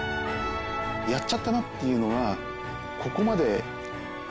やっちゃったなっていうのは。